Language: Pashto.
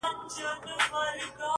• په دې لویه وداني کي توتکۍ وه ,